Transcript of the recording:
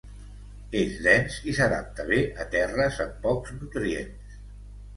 és dens i s'adapta bé a terres amb pocs nutrients